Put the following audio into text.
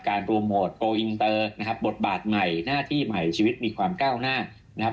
โปรโมทโปรอินเตอร์นะครับบทบาทใหม่หน้าที่ใหม่ชีวิตมีความก้าวหน้านะครับ